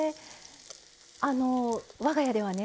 あの我が家ではね